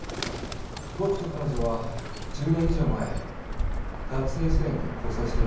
僕と彼女は１０年以上前学生時代に交際していました。